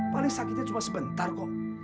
paling sakitnya cuma sebentar kok